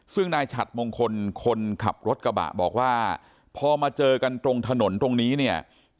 ซึ่งนายฉัดมงคลคนขับรถกระบะบอกว่าพอมาเจอกันตรงถนนตรงนี้เนี่ย